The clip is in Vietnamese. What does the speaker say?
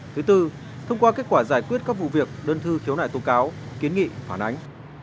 thứ tư thông qua kết quả giải quyết các vụ việc đơn thư khiếu nại tố cáo kiến nghị phản ánh